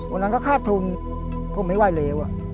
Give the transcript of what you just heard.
วันนั้นก็คาดทุนผมไม่ไหวแล้ว